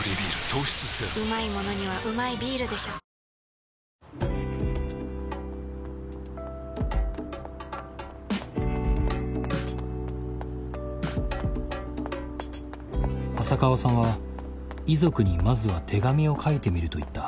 糖質ゼロ浅川さんは遺族にまずは手紙を書いてみると言った。